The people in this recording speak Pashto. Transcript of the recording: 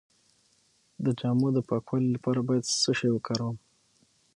د جامو د پاکوالي لپاره باید څه شی وکاروم؟